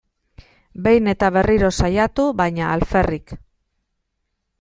Behin eta berriro saiatu, baina alferrik.